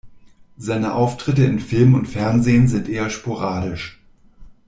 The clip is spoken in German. Seine Auftritte in Film und Fernsehen sind eher sporadisch.